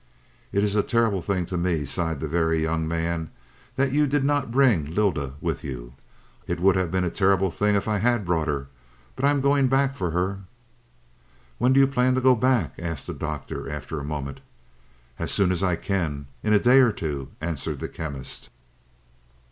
"It is a terrible thing to me," sighed the Very Young Man, "that you did not bring Llyda with you." "It would have been a terrible thing if I had brought her. But I am going back for her." "When do you plan to go back?" asked the Doctor after a moment. "As soon as I can in a day or two," answered the Chemist.